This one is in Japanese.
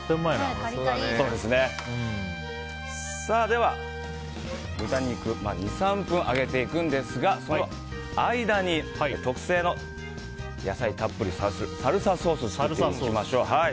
では、豚肉を２３分揚げていくんですがその間に、特製の野菜たっぷりサルサソースを作ります。